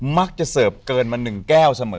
เสิร์ฟเกินมา๑แก้วเสมอ